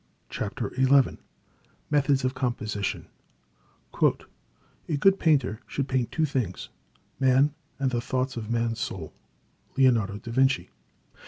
CHAPTER XI METHODS OF COMPOSITION A good painter should paint two things; man, and the thoughts of man's soul. LEONARDO DA VINCI.